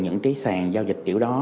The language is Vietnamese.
những cái sàn giao dịch kiểu đó